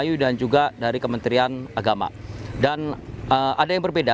petugas gabungan juga menyiapkan pengamanan di asrama